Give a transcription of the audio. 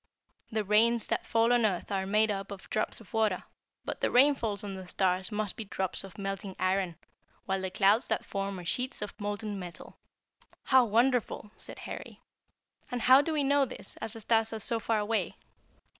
The rains that fall on earth are made up of drops of water, but the rainfalls on the stars must be drops of melting iron, while the clouds that form are sheets of molten metal." "How wonderful!" said Harry; "and how do we know this, as the stars are so far away?"